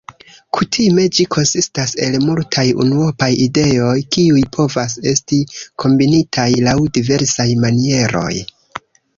Kutime ĝi konsistas el multaj unuopaj ideoj, kiuj povas esti kombinitaj laŭ diversaj manieroj.